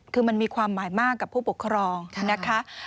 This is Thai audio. คือมันมีความหมายมากกับผู้ปกครองนะคะ